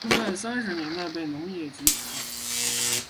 他们在三十年代被农业集体化。